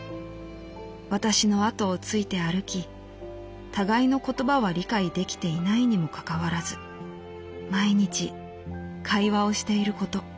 私の後をついて歩き互いの言葉は理解できていないにもかかわらず毎日会話をしていること。